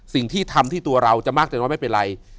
สิ่งที่ทำที่ตัวเราจะมากแต่น้อยไม่เป็นไร